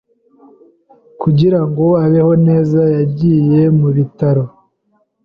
Kugira ngo abeho neza, yagiye mu bitaro.